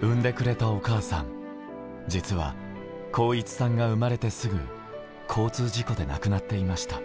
産んでくれたお母さん、実は航一さんが生まれてすぐ、交通事故で亡くなっていました。